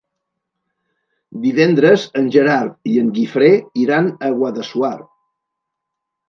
Divendres en Gerard i en Guifré iran a Guadassuar.